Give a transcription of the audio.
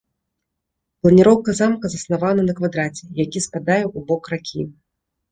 Планіроўка замка заснавана на квадраце, які спадае ў бок ракі.